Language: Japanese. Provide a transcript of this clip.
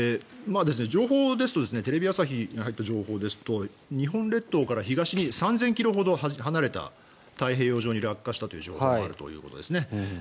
テレビ朝日に入った情報ですと日本列島から東に３０００ｋｍほど離れた太平洋上に落下したという情報もあるということですね。